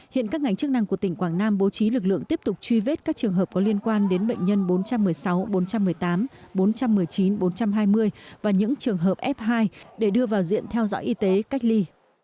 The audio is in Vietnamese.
hiện các ngành chức năng của tỉnh quảng nam bố trí lực lượng tiếp tục truy vết các trường hợp có liên quan đến bệnh nhân bốn trăm một mươi sáu bốn trăm một mươi tám bốn trăm một mươi chín bốn trăm hai mươi và những trường hợp f hai để đưa vào diện theo dõi y tế cách ly